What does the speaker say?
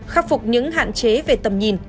khắc phục những hạn chế về tầm nhìn